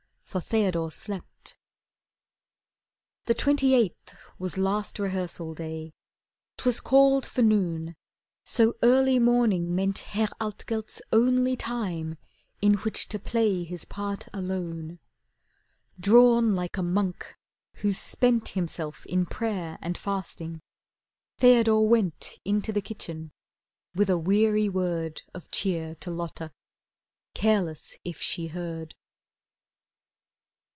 For Theodore slept. The twenty eighth was last rehearsal day, 'Twas called for noon, so early morning meant Herr Altgelt's only time in which to play His part alone. Drawn like a monk who's spent Himself in prayer and fasting, Theodore went Into the kitchen, with a weary word Of cheer to Lotta, careless if she heard.